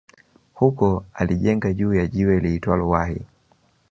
Huko alijenga juu ya jiwe liitwalo Wahi